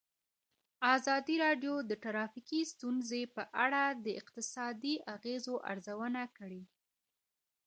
ازادي راډیو د ټرافیکي ستونزې په اړه د اقتصادي اغېزو ارزونه کړې.